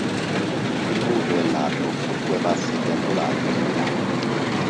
Il muso è largo con due masse ghiandolari sui lati.